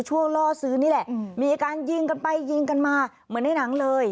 ล่อซื้อนี่แหละมีการยิงกันไปยิงกันมาเหมือนในหนังเลย